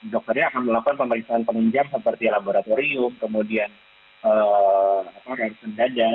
dokternya akan melakukan pemeriksaan penunjang seperti laboratorium kemudian garis pendada